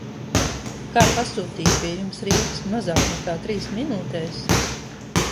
Kā pasūtīt pie jums riepas mazāk nekā trīs minūtēs?